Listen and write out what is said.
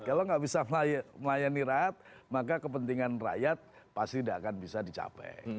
kalau nggak bisa melayani rakyat maka kepentingan rakyat pasti tidak akan bisa dicapai